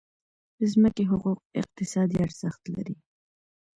د ځمکې حقوق اقتصادي ارزښت لري.